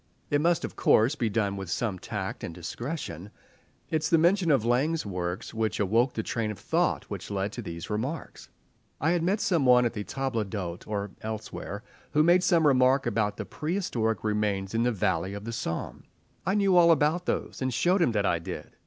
It must, of course, be done with some tact and discretion. It is the mention of Laing's works which awoke the train of thought which led to these remarks. I had met some one at a table d'hôte or elsewhere who made some remark about the prehistoric remains in the valley of the Somme. I knew all about those, and showed him that I did.